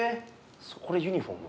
これユニフォーム？